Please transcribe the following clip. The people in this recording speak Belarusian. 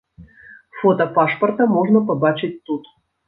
Фота пашпарта можна пабачыць тут.